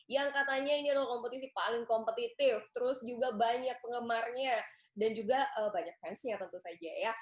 yang katanya ini adalah kompetisi paling kompetitif terus juga banyak penggemarnya dan juga banyak fansnya tentu saja ya